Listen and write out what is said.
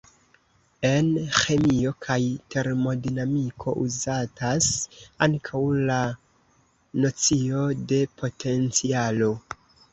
En ĥemio kaj termodinamiko uzatas ankaŭ la nocio de potencialo.